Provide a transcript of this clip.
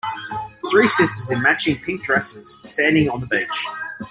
Three sisters in matching pink dresses standing on the beach.